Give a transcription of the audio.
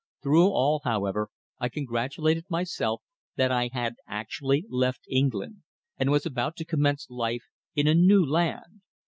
Through all, however, I congratulated myself that I had actually left England, and was about to commence life in a new land.